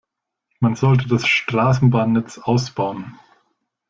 Man sollte das Straßenbahnnetz ausbauen.